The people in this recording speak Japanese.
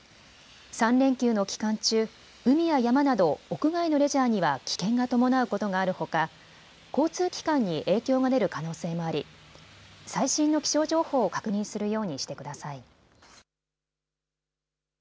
３連休の期間中、海や山など屋外のレジャーには危険が伴うことがあるほか交通機関に影響が出る可能性もあり最新の気象情報を確認するようにしてください。